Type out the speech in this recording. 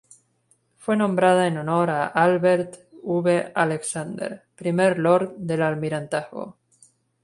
Fue nombrada en honor a Albert V. Alexander, primer lord del Almirantazgo.